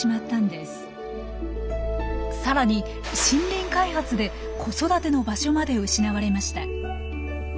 さらに森林開発で子育ての場所まで失われました。